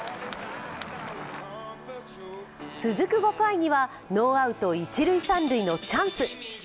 続く５回にはノーアウト一塁三塁のチャンス。